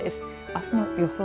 あすの予想